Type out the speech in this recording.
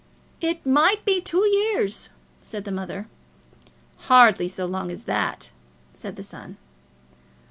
"It might be two years," said the mother. "Hardly so long as that," said the son.